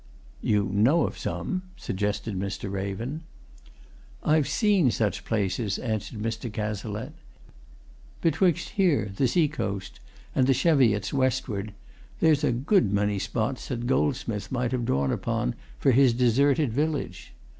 "You know of some?" suggested Mr. Raven. "I've seen such places," answered Mr. Cazalette. "Betwixt here the sea coast and the Cheviots, westward, there's a good many spots that Goldsmith might have drawn upon for his deserted village.